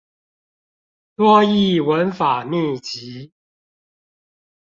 多益文法秘笈